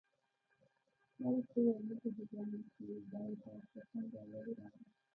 ما ورته وویل: نه پوهېږم چې دې پوځ ته څنګه او ولې راغلم.